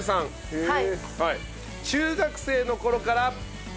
へえ！